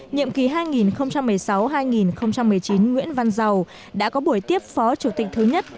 nhiệm kỳ hai nghìn một mươi sáu hai nghìn một mươi chín nguyễn văn giàu đã có buổi tiếp phó chủ tịch thứ nhất